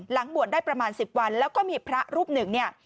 บวชได้ประมาณ๑๐วันแล้วก็มีพระรูปหนึ่งเนี่ย